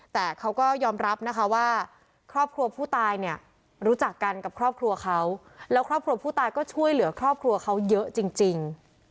แต่เขาก็ยอมรับนะคะว่าครอบครัวผู้ตายเนี่ยรู้จักกันกับครอบครัวเขาแล้วครอบครัวผู้ตายก็ช่วยเหลือครอบครัวเขาเยอะจริง